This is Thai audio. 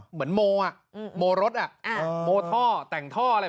เหมือนโมรถแหละ